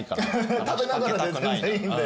食べながらで全然いいんで。